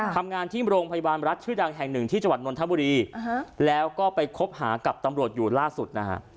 ทำงานที่โรงพยาบาลรัฐชื่อดังแห่งหนึ่งที่จังหวัดนนทบุรีแล้วก็ไปคบหากับตำรวจอยู่ล่าสุดนะฮะ